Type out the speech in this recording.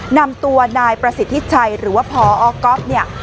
นำตัวนายประสิทธิชัยหรือว่าพอก๊อฟเนี่ย